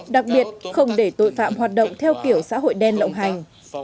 đặc biệt không để tội phạm hoạt động theo kiểu xã hội đen lộng hành